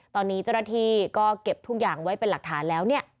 ตอนนี้เจ้าหน้าที่ก็เก็บทุกอย่างไว้เป็นหลักฐานแล้วเนี่ย